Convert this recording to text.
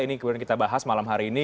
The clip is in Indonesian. ini kemudian kita bahas malam hari ini